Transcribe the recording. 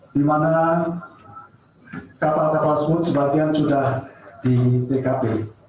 dimana kapal kapal semu sebagian sudah di tkp